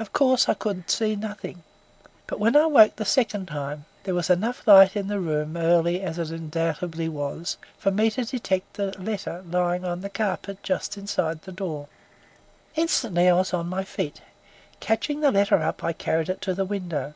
Of course, I could see nothing. But when I woke a second time, there was enough light in the room, early as it undoubtedly was, for me to detect a letter lying on the carpet just inside the door. Instantly I was on my feet. Catching the letter up, I carried it to the window.